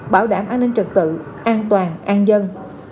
bảo đảm an ninh trật tự an toàn an dân